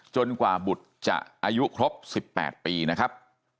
กว่าบุตรจะอายุครบ๑๘ปีนะครับ